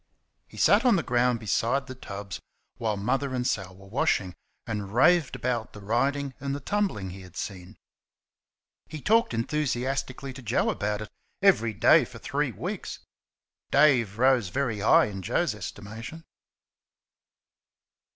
He sat on the ground beside the tubs while Mother and Sal were washing, and raved about the riding and the tumbling he had seen. He talked enthusiastically to Joe about it every day for three weeks. Dave rose very high in Joe's estimation.